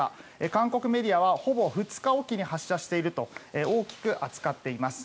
韓国メディアはほぼ２日おきに発射していると大きく扱っています。